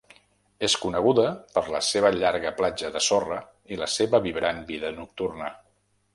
És coneguda per la seva llarga platja de sorra i la seva vibrant vida nocturna.